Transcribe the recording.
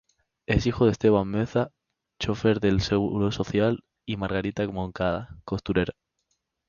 Es hijo de Esteban Meza, chofer del Seguro Social y Margarita Moncada, costurera.